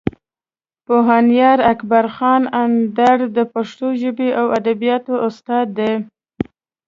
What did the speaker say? پوهنیار اکبر خان اندړ د پښتو ژبې او ادبیاتو استاد دی.